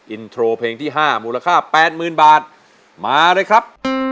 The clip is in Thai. อินโทรเพลงที่๕มูลค่า๘๐๐๐บาทมาเลยครับ